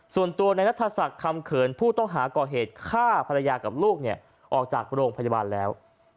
ส่วนตัวในนัทศักดิ์คำเขินผู้ต้องหาก่อเหตุฆ่าภรรยากับลูกเนี่ยออกจากโรงพยาบาลแล้ว